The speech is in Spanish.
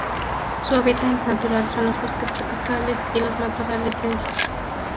Su hábitat natural son los bosques tropicales y los matorrales densos.